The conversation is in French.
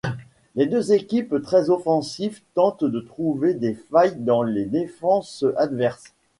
Les deux équipes très offensives, tentent de trouver des failles dans les défenses adverses.